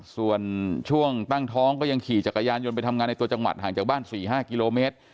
ส่วนช่วงตั้งท้องก็ยังขี่จักรยานยนต์ไปทำงานในตัวจังหวัดห่างจากบ้าน๔๕กิโลเมตร